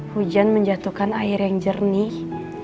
hujan menjatuhkan air yang jernih